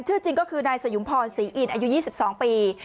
ชื่อจริงก็คือนายสยุมพรศรีอินอายุ๒๒ปี